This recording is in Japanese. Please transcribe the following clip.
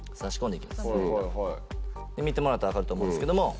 見てもらったら分かると思うんですけども。